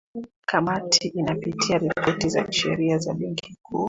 kamati inapitia ripoti za kisheria za benki kuu